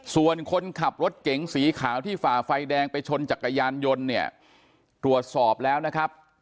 ส่วนคนขับรถเก๋งสีขาวที่ฝ่าไฟแดงไปชนจักรยานยนต์เนี่ยตรวจสอบแล้วนะครับ